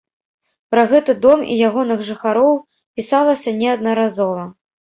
Пра гэты дом і ягоных жыхароў пісалася неаднаразова.